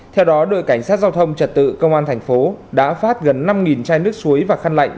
theo đó đội cảnh sát giao thông trật tự công an thành phố đã phát gần năm chai nước suối và khăn lạnh